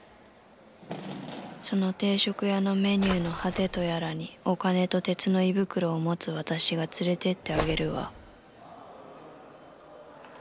その定食屋のメニューの果てとやらにお金と鉄の胃袋を持つ私が連れていってあげるわ。